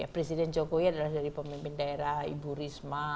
presiden jokowi adalah dari pemimpin daerah ibu risma